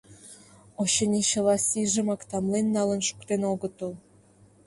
Очыни, чыла сийжымак тамлен налын шуктен огытыл.